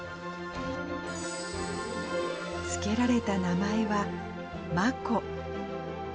付けられた名前は、まこ。